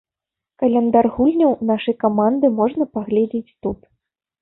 Каляндар гульняў нашай каманды можна паглядзець тут.